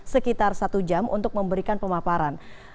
sekitar satu jam untuk memberikan pemaparan